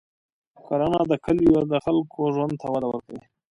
کرنه د کلیو د خلکو ژوند ته وده ورکوي.